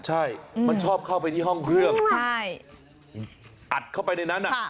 ใช่มันชอบเข้าไปที่ห้องเครื่องอัดเข้าไปในนั้น